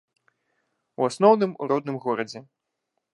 У асноўным, у родным горадзе.